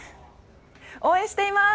応援しています！